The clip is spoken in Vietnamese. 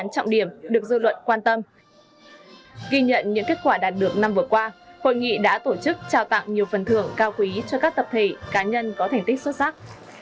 ghi nhận được dư luận quan tâm ghi nhận những kết quả đạt được năm vừa qua hội nghị đã tổ chức trao tặng nhiều phần thưởng cao quý cho các tập thể cá nhân có thành tích xuất sắc